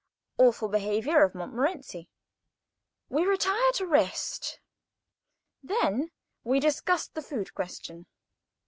—Awful behaviour of Montmorency.—We retire to rest. Then we discussed the food question.